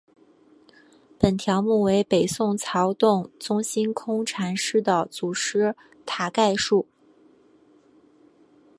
本条目为北宋曹洞宗心空禅师的祖师塔概述。